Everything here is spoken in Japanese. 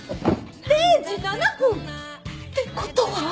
０時７分！？ってことは。